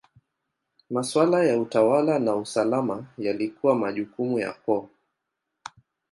Maswala ya utawala na usalama yalikuwa majukumu ya koo.